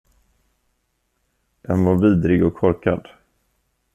Den var vidrig och korkad.